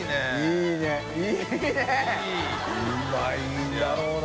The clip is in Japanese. いぁうまいんだろうな。